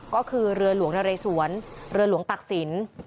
ก็คือเรือหลวงนเรสวนเรือหลวงตักศิลป์